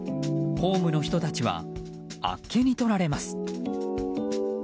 ホームの人たちはあっけにとられます。